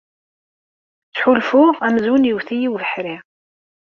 Ttḥulfuɣ amzun yewwet-iyi ubeḥri.